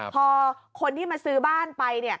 พอคนที่มาซื้อบ้านไปเนี่ย